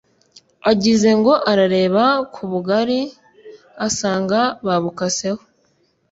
agize ngo arareba ku bugari asanga babukaseho